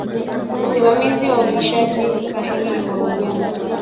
Usimamizi na ulishaji sahihi wa wanyama